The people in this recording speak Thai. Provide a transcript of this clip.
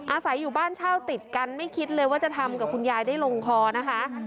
อาศัยอยู่บ้านเช่าติดกันไม่คิดเลยว่าจะทำกับคุณยายได้ลงคอนะคะ